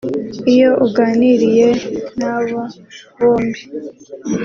iyo uganiriye n’aba bombi